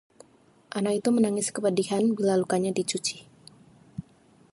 anak itu menangis kepedihan bila lukanya dicuci